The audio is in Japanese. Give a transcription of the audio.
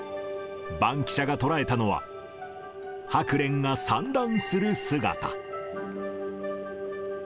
バンキシャが捉えたのは、ハクレンが産卵する姿。